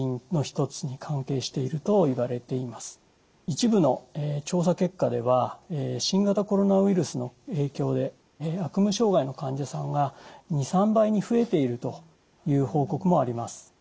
一部の調査結果では新型コロナウイルスの影響で悪夢障害の患者さんが２３倍に増えているという報告もあります。